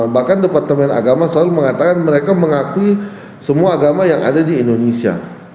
bahkan departemen agama selalu mengatakan mereka mengakui semua agama yang ada di indonesia